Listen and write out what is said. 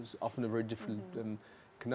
yang terbanyak berdiri dari latar belakang